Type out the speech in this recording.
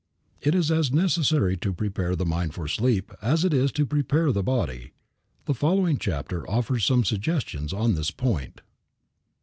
It is as necessary to prepare the mind for sleep as it is to prepare the body. The following chapter offers some suggestions on this point.